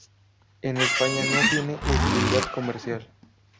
En España no tiene utilidad comercial.